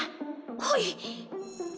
はい。